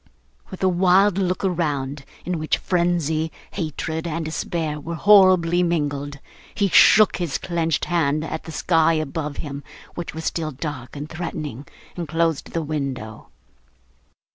With a wild look around, in which frenzy, hatred, and despair were horribly mingled, he shook his clenched hand at the sky above him, which was still dark and threatening, and closed the window.